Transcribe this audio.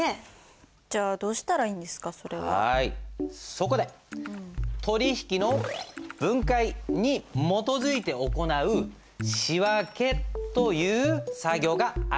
そこで取引の分解に基づいて行う仕訳という作業があるんです。